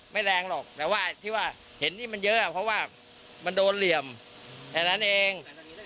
แรงหรอกแต่ว่าที่ว่าเห็นนี่มันเยอะเพราะว่ามันโดนเหลี่ยมแค่นั้นเอง